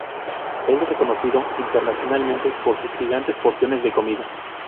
Es reconocido internacionalmente por sus gigantes porciones de comida.